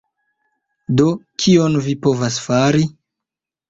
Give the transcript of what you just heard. Do, kion vi povas fari?